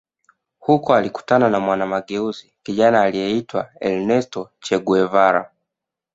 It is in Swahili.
Huko alikutana na mwana mageuzi kijana aliyeitwa Ernesto Che Guevara